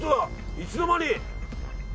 いつの間に。